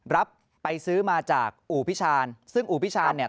รับไปซื้อมาจากอู่พิชานซึ่งอู่พิชานเนี่ย